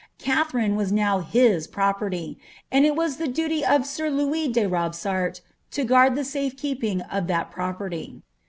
Katherine was now bis property ; and it was the duly of sir Louis de Robsart to guard the safe keeping of that propeny.